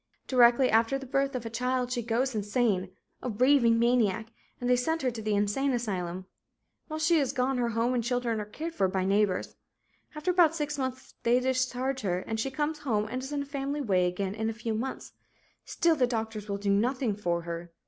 Directly after the birth of a child, she goes insane, a raving maniac, and they send her to the insane asylum. While she is gone, her home and children are cared for by neighbors. After about six months, they discharge her and she comes home and is in a family way again in a few months. Still the doctors will do nothing for her.